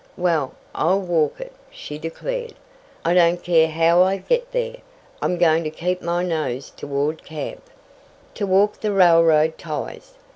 "Well, I'll walk it!" she declared. "I don't care how I get there, I'm going to keep my nose toward camp!" To walk the railroad ties!